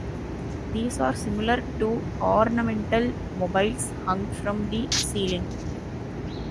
These are similar to ornamental mobiles hung from the ceiling.